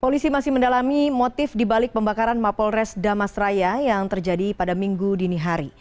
polisi masih mendalami motif dibalik pembakaran mapolres damas raya yang terjadi pada minggu dini hari